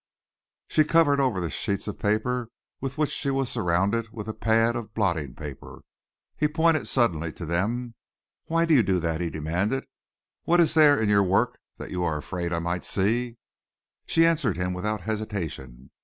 She covered over the sheets of paper with which she was surrounded with a pad of blotting paper. He pointed suddenly to them. "Why do you do that?" he demanded. "What is there in your work that you are afraid I might see?" She answered him without hesitation.